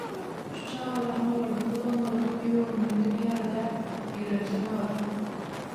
Şu çagalaryň, olardan bolanlaryňam ýüreginde diňe ýara däl, ýigrenjem galar.